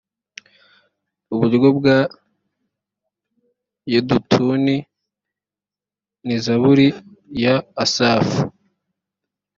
uburyo bwa yedutuni ni zaburi ya asafu